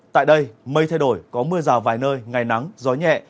tại đây mây thay đổi có mưa rào vài nơi ngày nắng gió nhẹ